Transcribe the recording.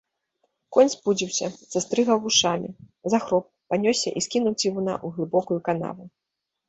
Конь спудзіўся, застрыгаў вушамі, захроп, панёсся і скінуў цівуна ў глыбокую канаву.